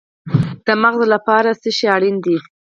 د مغز لپاره څه شی اړین دی؟